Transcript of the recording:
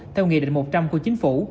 theo nghị định một trăm linh của chính phủ